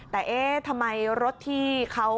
แต่เอ๊ะทำไมรถที่เขา